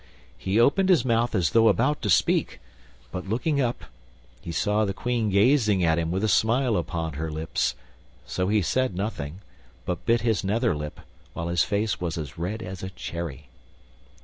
He opened his mouth as though about to speak, but, looking up, he saw the Queen gazing at him with a smile upon her lips, so he said nothing, but bit his nether lip, while his face was as red as a cherry.